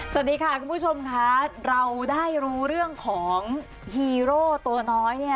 สวัสดีค่ะคุณผู้ชมค่ะเราได้รู้เรื่องของฮีโร่ตัวน้อยเนี่ย